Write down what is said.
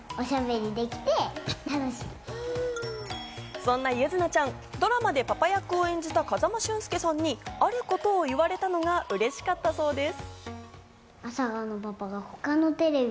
そんな柚凪ちゃん、ドラマでパパ役を演じた風間俊介さんにあることを言われたのがうれしかったそうです。